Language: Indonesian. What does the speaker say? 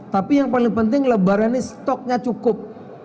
tapi yang paling penting lebaran ini stoknya cukup